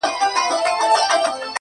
o دا پېښه د ټولنې پر ذهن ژور اثر پرېږدي,